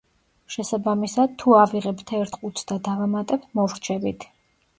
შესაბამისად, თუ ავიღებთ ერთ ყუთს და დავამატებთ, მოვრჩებით.